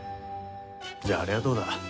じゃああれはどうだ。